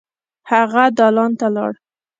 هغه دالان ته لاړ.